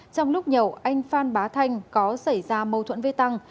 trong lúc nhậu anh phan bá thanh có xảy ra mâu thuẫn với tăng